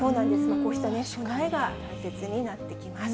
こうした備えが大切になってきます。